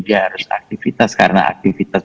dia harus aktivitas karena aktivitas